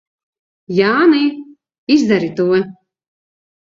Jāni, izdari to!